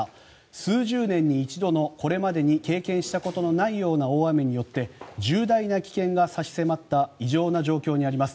数十年に一度の、これまでに経験したことのないような大雨によって重大な危険が差し迫った異常な状況にあります。